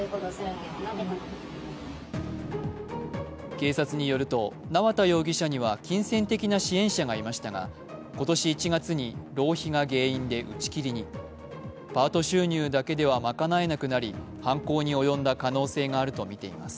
警察によると縄田容疑者には金銭的な支援者がいましたが今年１月に浪費が原因で打ち切りにパート収入だけでは賄えなくなり犯行に及んだ可能性があるとみています。